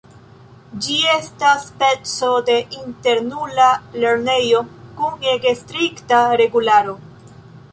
Ĝi estas speco de internula lernejo kun ege strikta regularo.